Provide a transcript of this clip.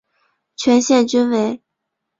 全线均为。